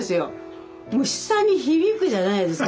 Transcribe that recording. もう下に響くじゃないですか。